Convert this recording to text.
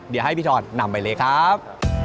เดี๋ยวให้พี่ชอนนำไปเลยครับ